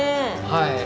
はい。